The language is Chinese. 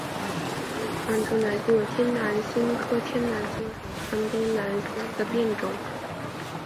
短柄川中南星为天南星科天南星属川中南星的变种。